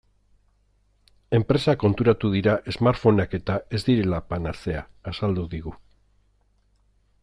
Enpresak konturatu dira smartphoneak-eta ez direla panazea, azaldu digu.